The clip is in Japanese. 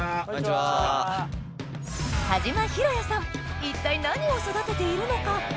一体何を育てているのか？